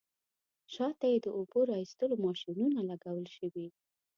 شاته یې د اوبو را ایستلو ماشینونه لګول شوي.